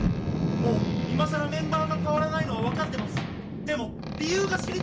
今更メンバーが変わらないのは分かってます。